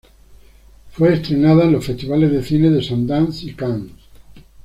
Fue estrenada en los Festivales de Cine de Sundance y Cannes.